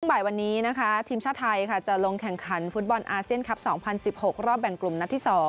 บ่ายวันนี้นะคะทีมชาติไทยค่ะจะลงแข่งขันฟุตบอลอาเซียนคลับ๒๐๑๖รอบแบ่งกลุ่มนัดที่๒